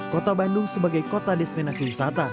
kota bandung sebagai kota destinasi wisata